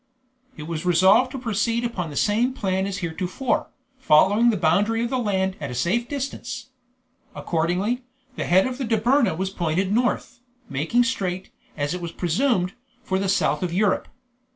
It was resolved to proceed upon the same plan as heretofore, following the boundary of the land at a safe distance. Accordingly, the head of the Dobryna was pointed north, making straight, as it was presumed, for the south of Europe.